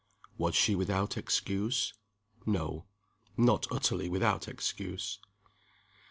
Was she without excuse? No: not utterly without excuse.